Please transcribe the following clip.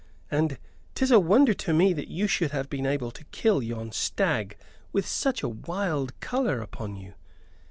"And 'tis a wonder to me that you should have been able to kill yon stag with such a wild color upon you.